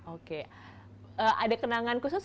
oke ada kenangan khusus